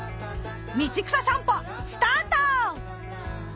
道草さんぽスタート。